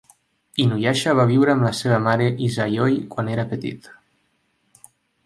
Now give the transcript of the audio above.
Inuyasha va viure amb la seva mare Izayoi quan era petit.